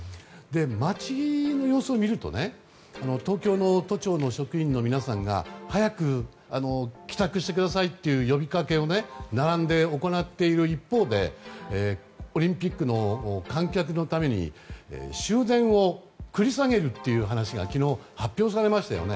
街の様子を見ると東京の都庁の職員の皆さんが早く帰宅してくださいという呼びかけを並んで行っている一方でオリンピックの観客のために終電を繰り下げるという話が昨日、発表されましたよね。